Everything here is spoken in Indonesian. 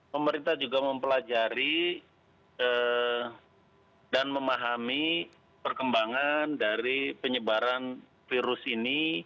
pemerintah juga mempelajari dan memahami perkembangan dari penyebaran virus ini